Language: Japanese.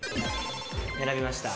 選びました。